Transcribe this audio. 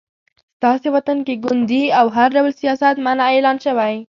ستاسې وطن کې ګوندي او هر ډول سیاست منع اعلان شوی